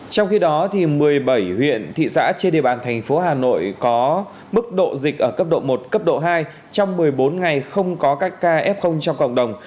trong khi đó một mươi bảy huyện thị xã trên địa bàn thành phố hà nội có mức độ dịch ở cấp độ một cấp độ hai trong một mươi bốn ngày không có các ca f trong cộng đồng